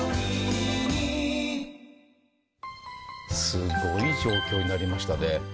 すごい状況になりましたね。